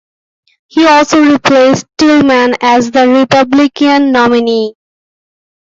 He also replaced Tillman as the Republican nominee.